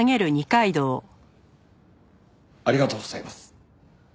ありがとうございます！